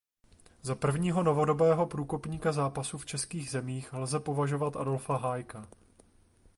Za prvního novodobého průkopníka zápasu v českých zemích lze považovat Adolfa Hájka.